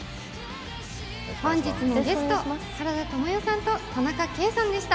本日のゲスト、原田知世さんと田中圭さんでした。